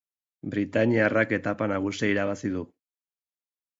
Britainiarrak etapa nagusia irabazi du.